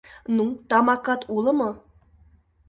Ну, тамакат уло мо?..